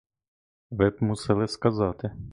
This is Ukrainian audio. Ви б мусили сказати.